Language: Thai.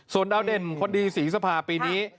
ส่วนดาวเด่นคนดีศรีสภาปีนี้